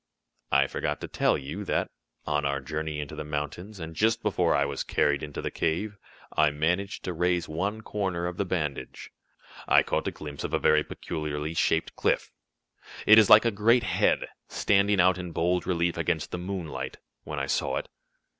"I forgot to tell you that, on our journey into the mountains, and just before I was carried into the cave, I managed to raise one corner of the bandage. I caught a glimpse of a very peculiarly shaped cliff it is like a great head, standing out in bold relief against the moonlight, when I saw it.